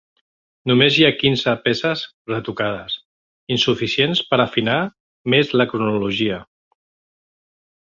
Només hi ha quinze peces retocades, insuficients per afinar més la cronologia.